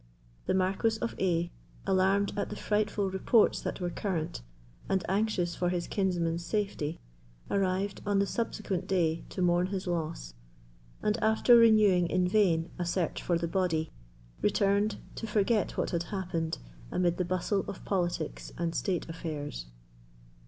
The Marquis of A——, alarmed at the frightful reports that were current, and anxious for his kinsman's safety, arrived on the subsequent day to mourn his loss; and, after renewing in vain a search for the body, returned, to forget what had happened amid the bustle of politics and state affairs.